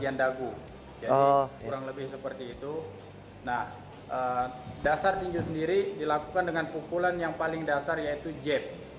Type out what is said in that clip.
nah dasar tinju sendiri dilakukan dengan pukulan yang paling dasar yaitu jeb